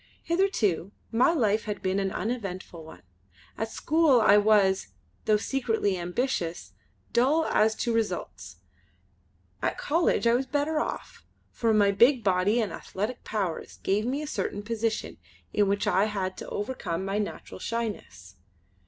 Hitherto my life had been an uneventful one. At school I was, though secretly ambitious, dull as to results. At College I was better off, for my big body and athletic powers gave me a certain position in which I had to overcome my natural shyness.